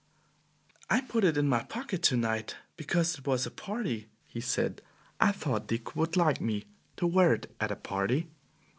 "I put it in my pocket to night because it was a party," he said. "I thought Dick would like me to wear it at a party."